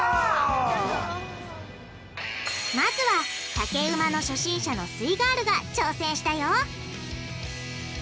まずは竹馬の初心者のすイガールが挑戦したよ！